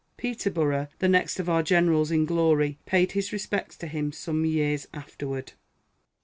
Peterborough, the next of our generals in glory, paid his respects to him some years afterward.